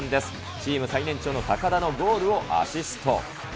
チーム最年長の高田のゴールをアシスト。